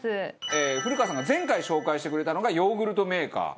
古川さんが前回紹介してくれたのがヨーグルトメーカー。